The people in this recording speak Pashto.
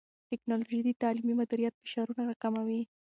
ټیکنالوژي د تعلیمي مدیریت فشارونه راکموي.